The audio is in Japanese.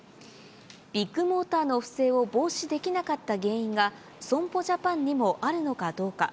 ビッグモーターの不正を防止できなかった原因が、損保ジャパンにもあるのかどうか。